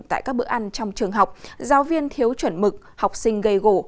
tại các bữa ăn trong trường học giáo viên thiếu chuẩn mực học sinh gây gỗ